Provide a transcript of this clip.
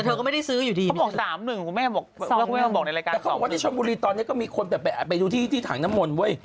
แต่เขาก็บอกว่าในโชงมูฬีตอนนี้ก็มีคนไปดูที่ถังสนมนต์